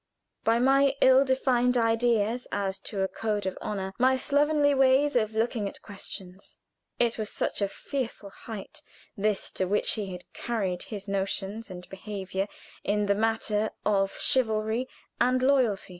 by my ill defined ideas as to a code of honor my slovenly ways of looking at questions? It was such a fearful height, this to which he had carried his notions and behavior in the matter of chivalry and loyalty.